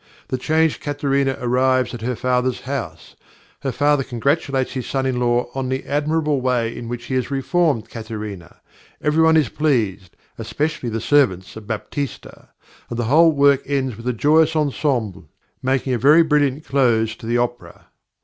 The changed Katharina arrives at her father's house; her father congratulates his son in law on the admirable way in which he has reformed Katharina; everyone is pleased, especially the servants of Baptista, and the whole work ends with a joyous ensemble, making a very brilliant close to the opera.